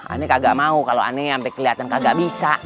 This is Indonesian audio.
ane kagak mau kalau ane sampe keliatan kagak bisa